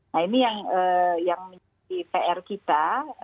nah ini yang menjadi pr kita